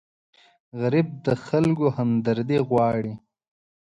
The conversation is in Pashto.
غریب د خلکو همدردي غواړي